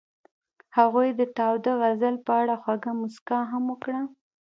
هغې د تاوده غزل په اړه خوږه موسکا هم وکړه.